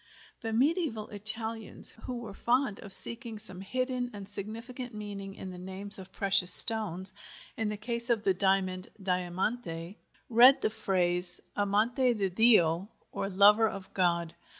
The mediæval Italians who were fond of seeking some hidden and significant meaning in the names of precious stones, in the case of the diamond (diamante), read the phrase amante di Dio, or "lover of God."